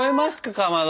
かまど。